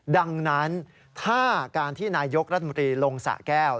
ดังนั้นถ้าการที่นายกรัฐมนตรีลงสะแก้ว